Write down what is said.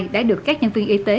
đã được các nhân viên y tế